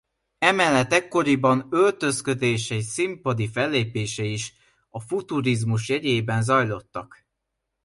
Emellett ekkoriban öltözködése és színpadi fellépései is a futurizmus jegyében zajlottak.